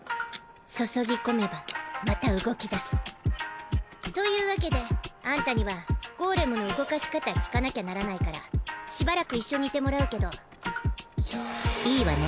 注ぎ込めばまた動き出す。というわけでアンタにはゴーレムの動かし方聞かなきゃならないからしばらく一緒にいてもらうけどいいわね？